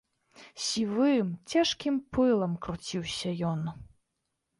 Сівым, цяжкім пылам круціўся ён.